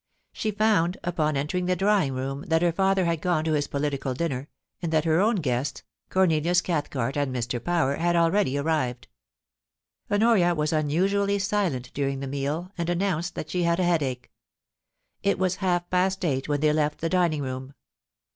She found, upon entering the drawing room, that her father had gone to his political dinner, and that her own guests, Cornelius Cathcart and Mr. Power, had already arrived. Honoria was unusually silent during the meal, and announced that she had a headache. It was half past eight when they left the dining room.